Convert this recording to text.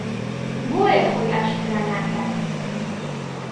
بۆیە خۆی ئاشکرا ناکات